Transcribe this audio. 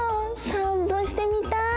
さんぽしてみたい！